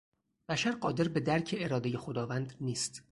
بشر قادر به درک ارادهی خداوند نیست.